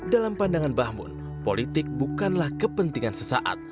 dalam pandangan bahmun politik bukanlah kepentingan sesaat